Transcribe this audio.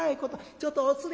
ちょっとお連れ